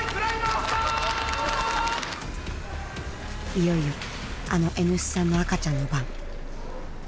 いよいよあのＮ産の赤ちゃんの番。